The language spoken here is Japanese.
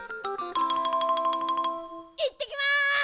いってきます！